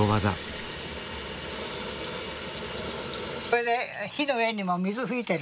これね火の上にも水吹いてるんです。